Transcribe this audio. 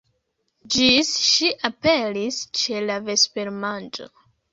Ĝis ŝi aperis ĉe la vespermanĝo.